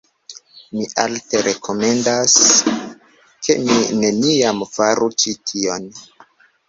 Mi alte rekomendas... ke vi neniam faru ĉi tion.